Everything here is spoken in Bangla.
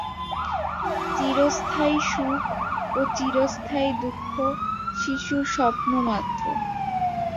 চিরস্থায়ী সুখ ও চিরস্থায়ী দুঃখ শিশুর স্বপ্নমাত্র।